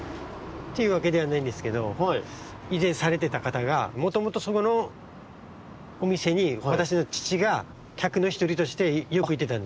っていうわけではないんですけどいぜんされてたかたがもともとそこのおみせにわたしのちちがきゃくのひとりとしてよくいってたんです。